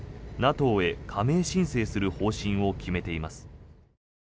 ＮＡＴＯへ加盟申請する方針を決めています。